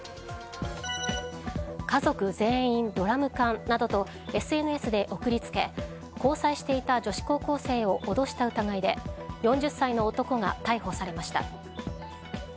家族全員ドラム缶などとＳＮＳで送り付け交際していた女子高校生を脅した疑いで４０歳の男が逮捕されました。